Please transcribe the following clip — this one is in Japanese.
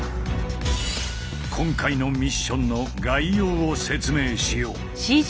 今回のミッションの概要を説明しよう。